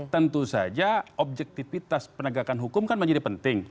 tentu saja objektivitas penegakan hukum kan menjadi penting